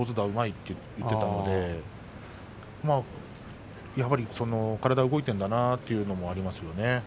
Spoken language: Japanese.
うまいと言っていたんでやはり体が動いてるんだなというのもありますよ。